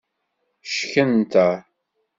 Ckenter.